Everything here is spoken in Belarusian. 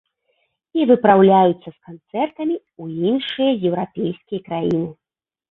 І выпраўляюцца з канцэртамі ў іншыя еўрапейскія краіны.